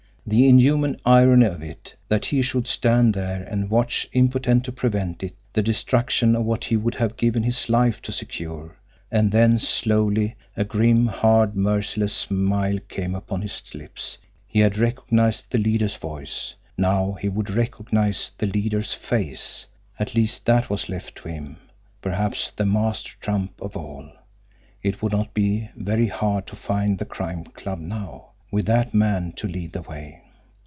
The inhuman irony of it! That he should stand there and watch, impotent to prevent it, the destruction of what he would have given his life to secure! And then slowly, a grim, hard, merciless smile came to his lips. He had recognised the leader's voice now he would recognise the leader's FACE. At least, that was left to him perhaps the master trump of all. It would not be very hard to find the Crime Club now with that man to lead the way!